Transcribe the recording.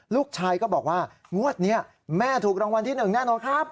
ลูกชายก็บอกว่างวดนี้แม่ถูกรางวัลที่๑แน่นอนครับ